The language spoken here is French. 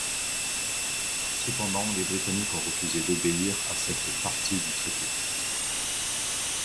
Cependant les Britanniques ont refusé d'obéir à cette partie du traité.